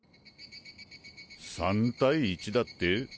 ３対１だって？